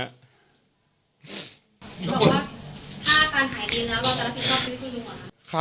บอกว่าถ้าอาการหายดีแล้วเราจะรับผิดทุกขึ้นลุงเหรอครับ